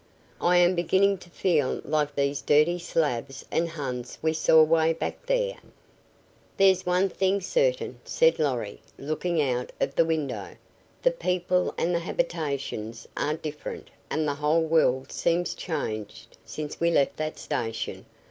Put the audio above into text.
I am beginning to feel like these dirty Slavs and Huns we saw 'way back there." "There's one thing certain," said Lorry, looking out of the window. "The people and the habitations are different and the whole world seems changed since we left that station.